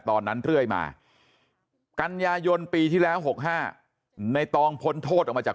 ตอนนั้นเท่าไหร่มากันยายนต์ปีที่แล้ว๖๕ในตองพ้นโทษออกมาจาก